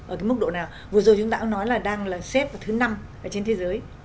ở mức độ nào vừa rồi chúng ta cũng nói là đang xếp thứ năm trên thế giới